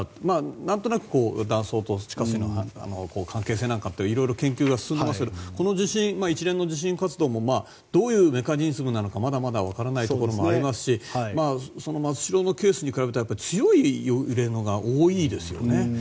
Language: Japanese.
何となく断層と地下の関係性なんかのいろいろ研究が進んでましたがこの一連の地震もどういうメカニズムなのかまだまだ分からないところもありますしその松代のケースは強い揺れが多いですよね。